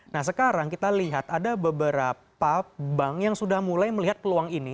nah sekarang kita lihat ada beberapa bank yang sudah mulai melihat peluang ini